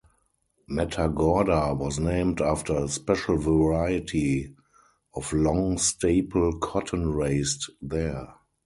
Matagorda was named after a special variety of long-staple cotton raised there.